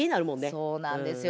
そうなんですよ。